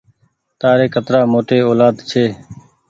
تآري ڪترآ موٽي اولآد ڇي۔